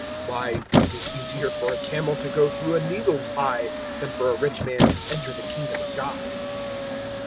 018:025 Why, it is easier for a camel to go through a needle's eye than for a rich man to enter the Kingdom of God."